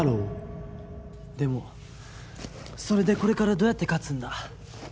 でもそれでこれからどうやって勝つんだ？